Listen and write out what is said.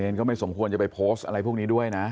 ก็ไม่สมควรจะไปโพสต์อะไรพวกนี้ด้วยนะ